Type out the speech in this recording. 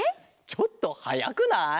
ちょっとはやくない？